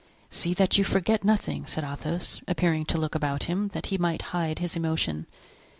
"See that you forget nothing," said Athos, appearing to look about him, that he might hide his emotion.